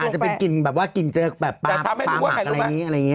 อาจจะเป็นกลิ่นแบบว่ากลิ่นเจ๊ปลาหมากอะไรอย่างนี้